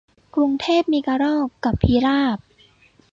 กรุงเทพมีกระรอกกับพิราบ